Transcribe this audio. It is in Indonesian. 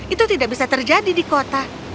itu tidak bisa terjadi di kota